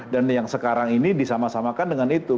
dan yang sekarang ini disama samakan dengan itu